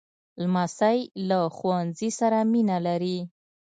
لمسی له ښوونځي سره مینه لري.